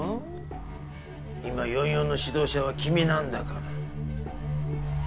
今４４の指導者は君なんだから。